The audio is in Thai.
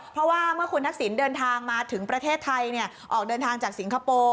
เพราะว่าเมื่อคุณทักษิณเดินทางมาถึงประเทศไทยออกเดินทางจากสิงคโปร์